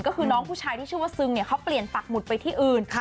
ก็คือน้องผู้ชายที่ชื่อว่าซึงเนี่ยเขาเปลี่ยนปักหมุดไปที่อื่น